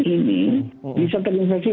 ini bisa terinfeksi